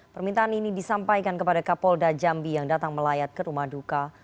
permintaan ini disampaikan kepada kapolda jambi yang datang melayat ke rumah duka